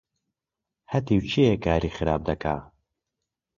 هەتیو کێیە کاری خراپ دەکا؟